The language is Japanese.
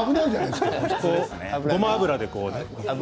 ごま油でね。